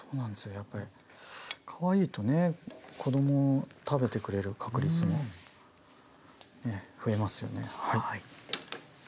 やっぱりかわいいとね子ども食べてくれる確率も増えますよね。